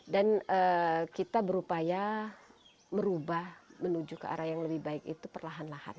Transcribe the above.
dan kita berupaya merubah menuju ke arah yang lebih baik perlahan lahan